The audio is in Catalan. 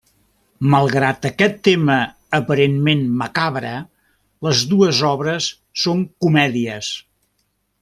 Malgrat aquest tema aparentment macabre, les dues obres són comèdies.